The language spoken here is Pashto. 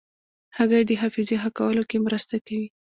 هګۍ د حافظې ښه کولو کې مرسته کوي.